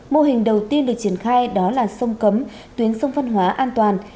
mô hình đầu tiên được triển khai đó là sông cấm tuyến sông văn hóa an toàn